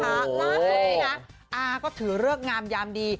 ล่าสุดนี้นะอาก็ถือเลิกงามยามดี